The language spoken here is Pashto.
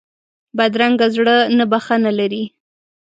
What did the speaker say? بدرنګه زړه نه بښنه لري